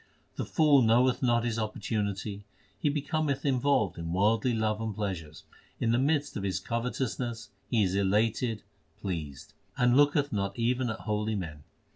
The fool knoweth not his opportunity ; He becometh involved in worldly love and pleasures ; In the midst of his covetousness he is elated, pleased. And looketh not even at holy men.